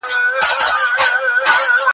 کاکړ